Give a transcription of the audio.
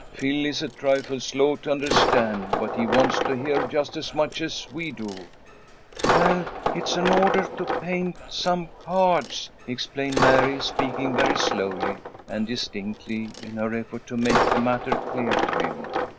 "Phil is a trifle slow to understand, but he wants to hear just as much as we do." "Well, it's an order to paint some cards," explained Mary, speaking very slowly and distinctly in her effort to make the matter clear to him.